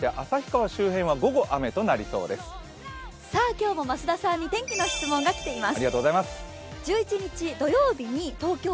今日も増田さんに天気の質問が来ています。